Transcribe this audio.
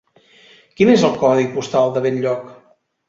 Quin és el codi postal de Benlloc?